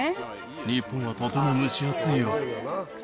日本はとても蒸し暑いよ。